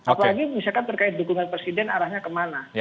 apalagi misalkan terkait dukungan presiden arahnya kemana